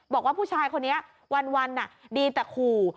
บอกว่าผู้ชายคนนี้วันดีแต่ขู่